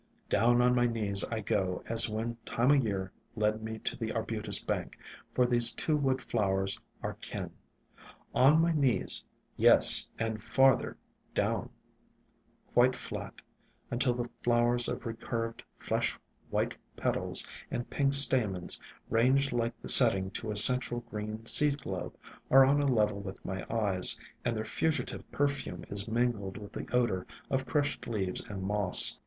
Down on my knees I go as when Time o' Year led me to the Arbutus bank, for these two wood flowers are kin. On my knees; yes, and farther, down quite flat, until the flowers of recurved, flesh white petals and pink stamens, ranged like the setting to a central green seed globe, are on a level with my eyes, and their fugitive perfume is mingled with the odor of crushed leaves and moss.